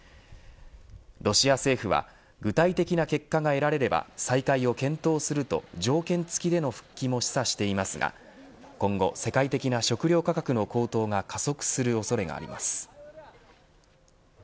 ロシア政府は具体的な結果が得られれば再開を検討すると条件付きでの復帰も示唆していますが今後、世界的な食糧価格の高騰が加速する恐れがあります。